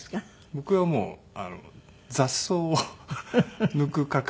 僕はもう雑草を抜く係。